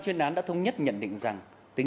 chuyên thằng này